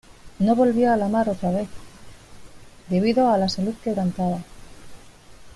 No volvió a la mar otra vez, debido a la "salud quebrantada".